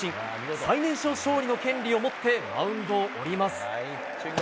最年少勝利の権利を持ってマウンドを降ります。